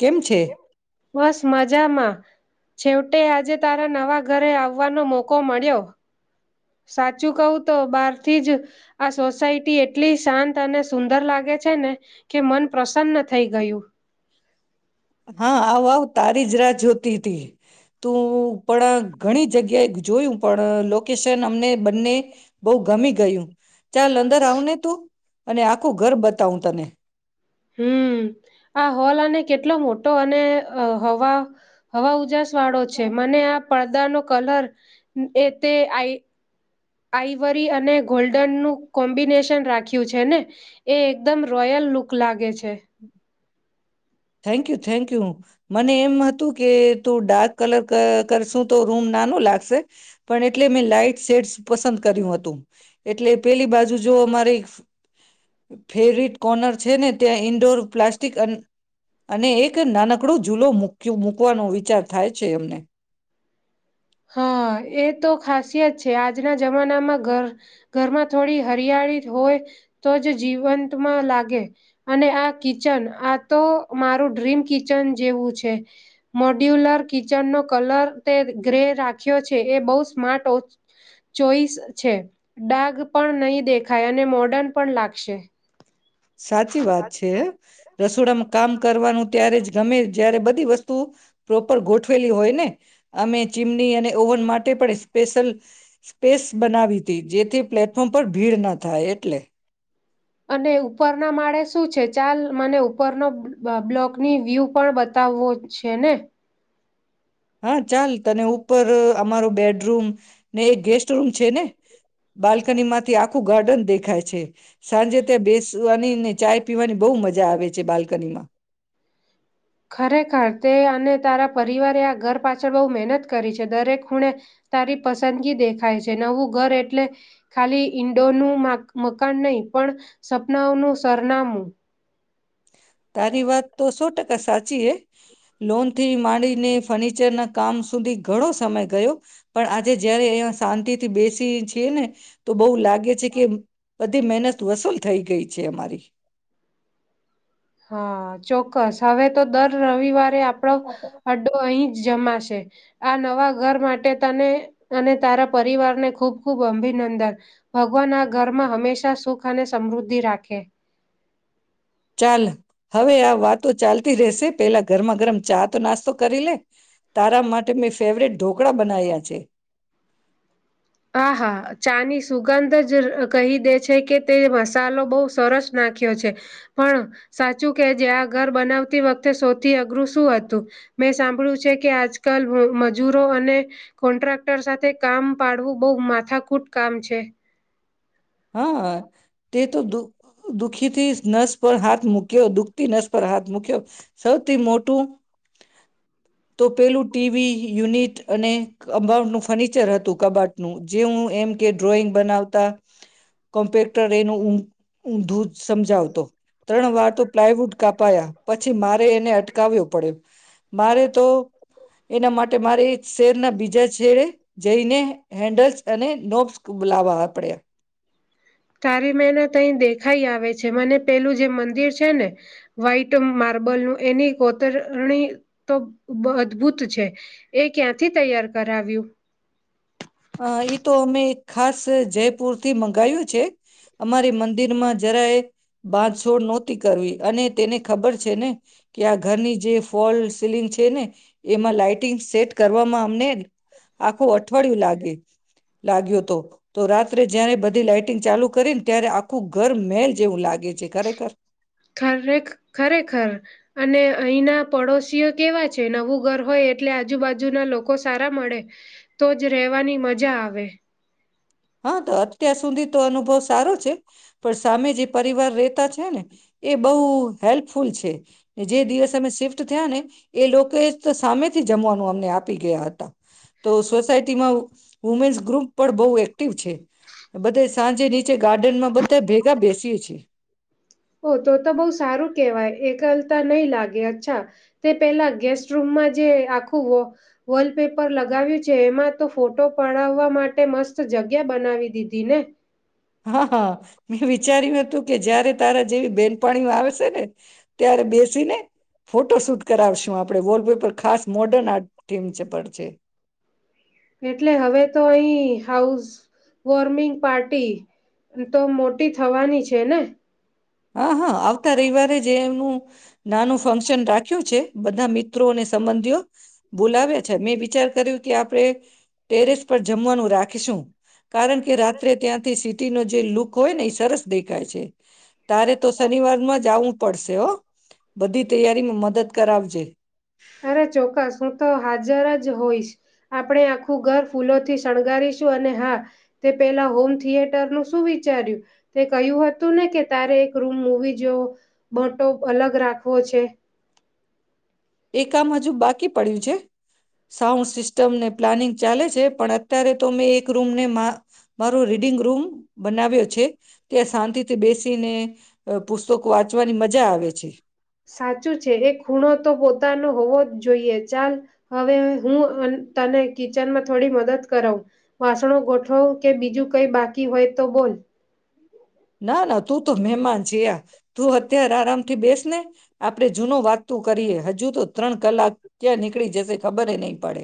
કેમ છે? બસ મજામાં. છેવટે આજે તારા નવા ઘરે આવવાનો મોકો મળ્યો સાચું કહું તો બહારથી જ આ સોસાયટી એટલી શાંત અને સુંદર લાગે છે ને કે મન પ્રસન્ન થઈ ગયું. હા આવ આવ તારી જ રા જોતી હતી તું પણ ઘણી જગ્યાએ જોયું પણ લોકેશન અમને બંને બહુ ગમી ગયું. ચાલ અંદર આવને તું. અને આખું ઘર બતાવું તને. હમ આ હોલ અને કેટલો મોટો અને હવા હવા ઉજાસ વાળો છે મને આપ પડદા નો કલર એ તે આઈ આઈવરી અને ગોલ્ડનનું કોમ્બિનેશન રાખ્યું છે ને એ એકદમ રોયલ લૂક લાગે છે. થેન્કયુ થેન્ક યુ મને એમ હતું કે તું ડાર્ક કલર કરશું તો રૂમ નાનો લાગશે પણ એટલે મેં લાાઈટ શેડ્સ પસંદ કર્યું હતું એટલે પેલી બાજુ જો અમારી ફેવરિટ કોર્નર છે ને ત્યાં ઇન્ડોર પ્લાસ્ટિક અને એક નાનકડો ઝૂલો મૂક્યો મૂકવાનો વિચાર થાય છે અમને. હા એ તો ખાસિયત છે આજના જમાનામાં ઘર ઘરમાં થોડી હરિયાળી હોય તો જ જીવંતમાં લાગે અને આ કિચન આ તો મારું ડ્રીમ કિચન જેવું છે મોડ્યુલર કિચનનો કલર તે ગ્રે રાખ્યો છે એ બહુ સ્માર્ટ ઓ ચોઈસ છે ડાગ પણ નહી દેખાય અને મોર્ડન પણ લાગશે. સાચી વાત છે રસોડામાં કામ કરવાનું ત્યારે જ તમે જયારે બધી વસ્તુ પ્રોપર ગોઠવેલી હોય ને અમે ચીમની અને ઓવન માટે પણ સ્પેશિલ સ્પેસ બનાવી હતી જેથી પ્લેટફોર્મ પર ભીડ ના થાય એટલે. અને ઉપરના માળે શું છે ચાલ મને ઉપરનો બ્લોકની વ્યૂ પણ બતાવવો છે ને. હા ચાલ તને ઉપર અમારો બેડરૂમ ને એક ગેસ્ટરૂમ છે ને બાલ્કની માંથી આખું ગાર્ડન દેખાય છે. સાંજે ત્યાં બેસવાની ને ચાય પીવાની બહુ મજા આવે છે બાલ્કનીમાં. ખરેખર તે અને તારા પરિવારે આ ઘર પાછળ બહુ મહેનત કરી છે દરેક ખૂણે તારી પસંદગી દેખાય છે નવું ઘર એટલે ખાલી ઈંડોનું મકાન નહીં પણ સપનાઓનું સરનામું. તારી વાત તો સો ટકા સાચી એ લોન થી માંડીને ફર્નિચરના કામ સુધી ઘણો સમય ગયો પણ આજે જયારે અહીયા શાંતિ થી બેસી છી ને તો બહુ લાગે છે કે બધી મહેનત વસૂલ થઈ ગઈ છે અમારી. હા ચોક્કસ હવે તો દર રવિવાર. તે આપણો હડો અહીં. જમાશે આ નવા ઘર માટે તને અને તારા પરિવારને ખૂબ ખૂબ અભિનંદન ભગવાન આ ઘરમાં હંમેશા સુખ અને સમૃદ્ધિ રાખે. ચાલ હવે આ વાતો ચાલતી રહેશે પહેલા ગરમા ગરમ ચા તો નાસ્તો કરી લે તારા માટે મેં ફેવરેટ ઢોકળા બનાવ્યા છે. આ હા ચાની સુગંધ જ કહી દે છે કે તે મસાલો બહુ સરસ નાખ્યો છે પણ સાચું કે જે આ ઘર બનાવતી વખતે સૌથી અઘરું શું હતું મેં સાંભળ્યું છે કે આજકાલ મજૂરો અને કોન્ટ્રાક્ટર સાથે કામ પાડવું બોહ માથાકૂટ કામ છે. હા તે તો દુ દુઃખી થી નસ પર હાથ મૂક્યો દુઃખ થી નસ પર હાથ મૂક્યો સૌથી મોટું તો પેલું ટી વી યુનિટ અને કમ્બાઉન્ડનું ફર્નિચર હતું કબાટનું જે હું એમ કે ડ્રોઈંગ બનાવતા કોમ્પ્યુટર એનું ઉ દૂધ સમજાવતો ત્રણ વાર તો પ્લાયવુડ કાપાયા પછી મારે એને અટકાવ્યો પડ્યો મારે તો એના માટે મારે શેરના બીજા છેડે જઈને હેન્ડલ્સ અને નોબ્સ બોલાવવા પડે. તારી મહેનત અહી દેખાઈ આવે છે મને પેલું જે મંદિર છે ને વ્હાઈટ માર્બલનું એની કોતરણી તો અદભુત છે એ ક્યાંથી તૈયાર કરાવ્યું. આ હિ તો મે ખાસ જયપુર થી મંગાવ્યું છે અમારી મંદિરમાં જરાય બાંધછોડ નો થી કરવી અને તેને ખબર છે ને કે આ ઘરની જે ફોલ સીલિંગ છે ને એમાં લાઈટિંગ સેટ કરવામાં અમને આખું અઠવાડિયું લાગ એ લાગ્યો હોતો. તો રાત્રે જયારે બધી લાઈટિંગ ચાલુ કરી ને ત્યારે આખું ઘર મેલ જેવું લાગે છે ખરેખર ખરે ખરેખર અને અહીના પડોશીઓ કેવા છે નવું ઘર હોય એટલે આજુબાજુના લોકો સારા મળે તો જ રહેવાની મજા આવે. હા તો અત્યાર સુધી તો અનુભવ સારો છે પણ સામે જે પરિવાર રેતા છે ને એ બહુ હેલ્પફુલ છે. જે દિવસ મે શિફ્ટ તો થયા ને. એ લોકો તો સામે થી જમવાનું અમને આપી ગયા હતા. તો સોસાયટીમાં વુમન્સ ગ્રુપ પણ બહુ એક્ટિવ છે બધા સાંજે નીચે ગાર્ડનમાં બધા ભેગા બેસીએ છીએ. ઓ તો તો બહુ સારું કેહેવાય એકલતા નહી લાગે અચ્છા તે પેલા ગેસ્ટ રૂમમાં જે આખું વ વોલપેપર લગાવ્યું છે એમાં તો ફોટો પડાવવા માટે મસ્ત જગ્યા બનાવી દીધી ને. હા હા. મેં વિચાર્યું હતું કે જયારે તારા જેવી બેન પાણીઓ આવેશે ને ત્યારે બેસીને ફોટો શૂટ કરાવશું આપણે વોલપેપર ખાસ મોડર્ન આર્ટ થીમ ચપડ છે. એટલે હવે તો અહી હાઉસ વોર્મિંગ પાર્ટી તો મોટી થવાની છે ને હા હા આવતા રવિવારે જે એમનું નાનું ફંક્શન રાખ્યું છે. બધા મિત્રો અને સંબંધીઓ બોલાવ્યા છે મેં વિચાર કર્યું કે આપણે ટેરેસ પર જમવાનું રાખીશું. કારણ કે રાત્રે ત્યાંથી સી તી નો જે લુક હોય ને એ સરસ દેખાય છે. તારે તો શનિવારમાં જ આવું પડશે હો. બધી તૈયારીમાં મદદ કરાવજે. અરે ચોક્કસ હું તો હાજર જ જ હોઈશ આપણે આખું ઘર ફૂલો થી શણગારીશું અને હા તે પેલા હોમ થિયેટર નું શું વિચાર્યું તે કહ્યું હતું ને કે તારે એક રૂમ મુવી જોવો બોટો અલગ રાખ પૂછે એ કામ હજુ બાકી પડ્યું છે. સાઉન્ડ સિસ્ટમને પ્લાનિંગ ચાલે છે, પણ અત્યારે તો મેં એક રૂમને મા મારો રીડિંગ રૂમ બનાવ્યો છે કે શાંતિથી બેસીને ઓ સાચું છે એક ખૂણો તો પોતાનો હોવો જ જોઈએ. ચાલ, હવે હું અન તને કિચનમાં થોડી મદદ કરાવુ. વાસણો ગોઠવુ કે બીજું કઈ બાકી હોય તો બોલ. ના ના તું તો મહેમાન છે આ તું અત્યાર આરામથી બેસને આપડે જૂનો વાત તું કરીએ હજુ તો ત્રણ કલાક ક્યાં નીકળી જશે ખબરે નહીં પડે.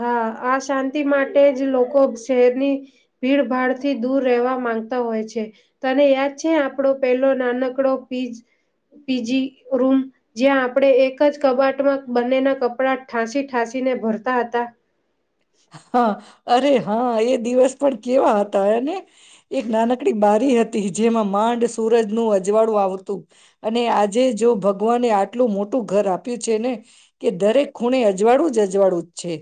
હા, આ શાંતિ માટે જ લોકો શહેરની ભીડ ભાડથી દૂર રહેવા માંગતા હોય છે. તને યાદ છે આપડો પેલો નાનકડો પીજ પીજી રૂમ જ્યાં આપડે એક જ કબાટમાં બંનેના કપડા ઠાંસી ઠાંસીને ભરતા હતા. હા હ, અરે હા, એ દિવસ પણ કેવા હતા હેને એક નાનકડી બારી હત જેમાં માંડ સુૂરજનું અજવાળું આવતું. અને આજે જો ભગવાને આટલું મોટું ઘર આપ્યું છે ને કે દરેક ખૂણે અજવાળું જ અજવાળું જ છે.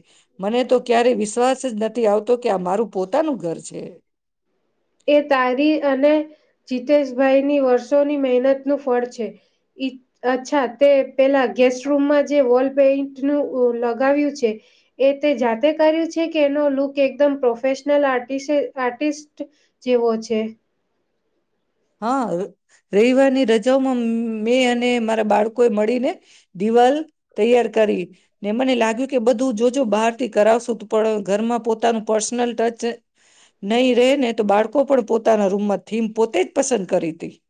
મને તો ક્યારે વિશ્વાસ જ નથી આવતો કે આ મારું પોતાનું ઘર છે. એ તારી અને જીતેશભાઈની વર્ષોની મહેનતનું ફળ છે. ઈચ્છ અચ્છા તે પેલા ગેસ્ટ રૂમમાં જે વોલ પેન્ટ્રુ ઓ લગાવ્યું છે એ તે જાતે કર્યું છે કે એનો લુક એકદમ પ્રોફેશનલ આર્ટિસે આર્ટિસ્ટ જેવો છે. હા, અહ રવિવારની રજાઓમાં ઉમ મેં અને મારા બાળકોએ મળીને દિવાલ તૈયાર કરી. ને મને લાગ્યું કે બધું જોજો બહારથી કરાવશું, પ પણ ઘરમાં પોતાનું પર્સનલ ટચ નહી રેહે ને તો બાળ તો પણ પોતાના રૂમમાં થીમ પોતે જ પસંદ કરીતી.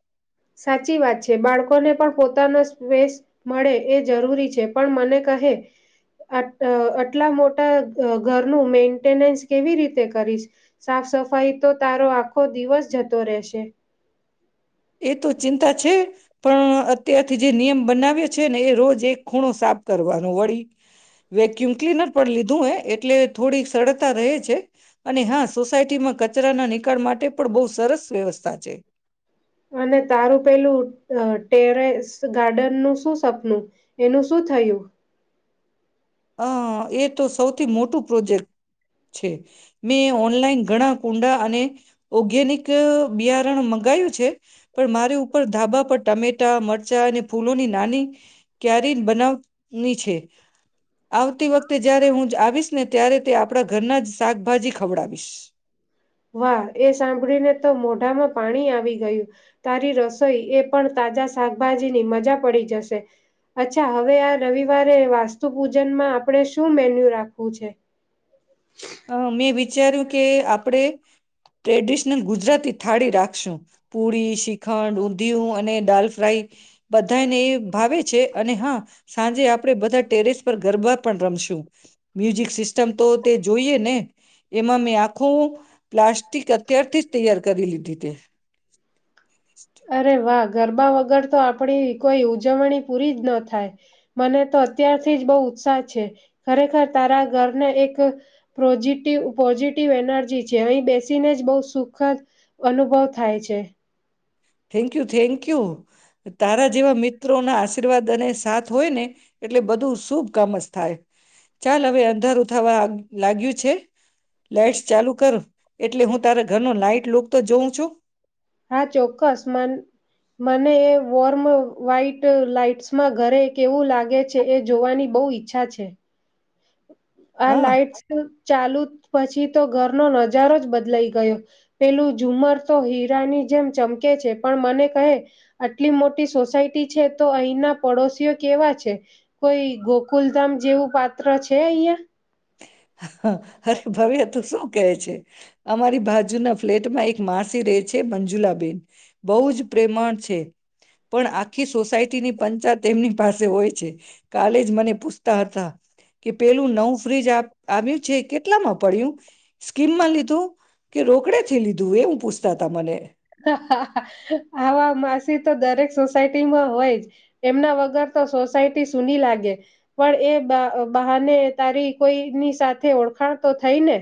સાચી વાત છે. બાળકોને પણ પોતાનો સ વેશ મળે એ જરૂરી છે, પણ મને કહે આટ અ અટલા મોટા અ ઘરનું મેન્ટેનેન્સ કેવી રીતે કરીશ? સાફ સફાઈ તો તારો આખો દિવસ જતો રેહશે? એ તો ચિંતા છે, પણ અત્યારથી જે નિયમ બનાવ્યો છે ને એ રોજ એક ખૂણો સાફ કરવાનો. વળી વેક્યુમ ક્લીનર પણ લીધું હે એટલે થોડી સરળતા રહે છે. અને હા સોસાયટીમાં કચરાના નિકાળ માટે પણ બહુ સરસ વ્યવસ્થા છે. અને તારું પેલું અ ટેરેસ ગાર્ડનનું શું સપનું? એનું શું થયું? અ એ તો સૌથી મોટું પ્રોજેક્ટ છે. મેં ઓનલાઈન ઘણા કુંડા અને ઓગેનિક બિયારણ મંગાયું છે, પન મારે ઉપર ધાબા પર ટમેટા, મરચાં અને ફૂલોની નાની ક્યારી બનાવ ની છે. [unintelligible] આવતી વખતે જયારે હુંજ આવીશ ને ત્યારે તે આપણા ઘરના જ શાકભાજી ખવડાવીશ. વાહ એ સાંભળીને તો મોઢામાં પાણી આવી ગયું તારી રસોઈ એ પણ તાજા શાકભાજીની મજા પડી જશે અચ્છા હવે આ રવિવારે વાસ્તુ પૂજનમાં આપણે શું મેન્યુ રાખવું છે? હ મેં વિચાર્યું કે આપણેે ટ્રેડિશનલ ગુજરાતી થાળી રાખશું પૂડી, શ્રીખંડ, ઊંધિયું અને દાલ ફ્રાય બધાને એ ભાવે છે અને હા સાંજે આપણે બધા ટેરેસ પર ગરબા પણ રમશું મ્યુઝિક સિસ્ટમ તો જોઈએ ને એમાં મેં આખું પ્લાસ્ટિક અત્યારથી જ તૈયાર કરી લીધી તે. અરે વાહ ગરબા વગર તો આપણી કોઈ ઉજવણી પૂરી જ ન થાય મને તો અત્યારથી જ બહુ ઉત્સાહ છે ખરેખર તારા ઘરને એક પોઝિટિવ પોઝિટિવ એનર્જી છે અહીં બેસીને જ બહુ સુખદ અનુભવ થાય છે. થેન્ક યુ થેન્ક યુ તારા જેવા મિત્રો ના આશીર્વાદ અને સાથ હોય ને એટલે બધું શુભ કામ જ થાય. ચાલ હવે અંધારું થવા લાગ્યું છે લાઈટ્સ ચાલુ કરો એટલે હું તારા ઘરનું લાઈટ લુક તો જોઉં છું. હા ચોક્કસ મન મને એ વોર્મ વ્હાઈટ લાઈટ્સમાં ઘરે કેવું લાગે છે એ જોવાની બહુ ઈચ્છા છે. [inaudible] આ હા લાાઈટ્સ ચાલુ પછી તો ઘરનો નજારો જ બદલાઈ ગયો પેલું ઝુમર તો હીરાની જેમ ચમકે છે પણ મને કહે આટલી મોટી સોસાયટી છે તો અહીના પડોશીઓ કેવા છે કોઈ ગોકુલધામ જેવું કા [unintelligible] છે અહીંયા. હા. હા હર્ષ [unintelligible] સું કહે છે. અમારી બાજુના ફ્લેટમાં એક માસી રહે છે મંજુલાબેન બહુ જ પ્રેમાણ છે પણ આખી સોસાયટીની પંચાત તેમની પાસે હોય છે કાલે જ મને પૂછતા હતા કે પેલું નવું ફ્રીજ આ આવ્યું છે કેટલામાં પડ્યું સ્કીમમાં લીધું કે રોકડે થી લીધું એવું પૂછતા હતા મને. હા આહા. આ આવા માસી તો દરેક સોસાયટીમાં હોય જ એમના વગર તો સોસાયટી સુૂની લાગે પણ એ બા બહાને તારી કોઈની સાથે ઓળખાણ તો થઈને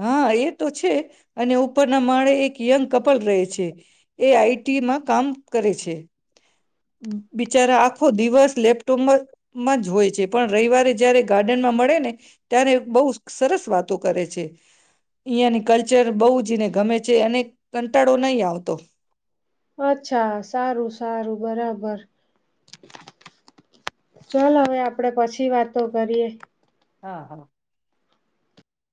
હા એ તો છે અને ઉપરના માળે એક યંગ કપલ રહે છે એ આ ઈ ટી માં કામ કરે છે. બિચારા આખો દિવસ લેપટોપમાં માં જ હોય છે. પણ રવિવારે જયારે ગાર્ડન માં મળે ને ત્યાંને બહુ સરસ વાતો કરે છે અહીંયા ની કલ્ચર બહુ જ ને ગમે છે અને કંટાળો નહીં આવતો. અચ્છા સારું સારું બરા બાર ચાલ હવે આપડે પછી વાતો કરીએ. હા, હા.